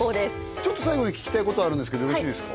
ちょっと最後に聞きたいことあるんですけどよろしいですか？